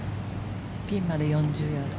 ピンまで４０ヤード。